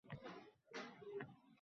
bu yerdan sog‘ chiqishni o‘ylayapman.